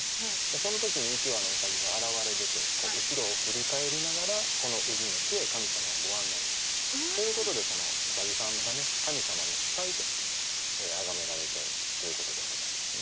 その時に１羽のウサギが現れ出て後ろを振り返りながらこの宇治の地へ神様をご案内したということでウサギさんが神様の使いとしてあがめられてるということですね。